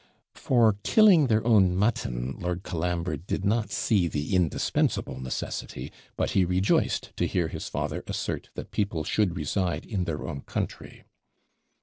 For killing their own mutton, Lord Colambre did not see the indispensable necessity; but he rejoiced to hear his father assert that people should reside in their own country.